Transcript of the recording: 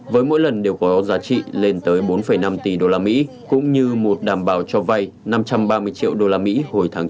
với mỗi lần đều có giá trị lên tới bốn năm tỷ đô la mỹ cũng như một đảm bảo cho vay năm trăm ba mươi triệu đô la mỹ hồi tháng chín